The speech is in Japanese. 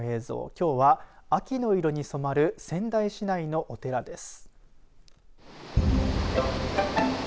きょうは秋の色に染まる仙台市内のお寺です。